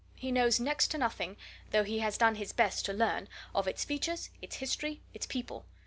He knows next to nothing though he has done his best to learn of its features, its history, its people.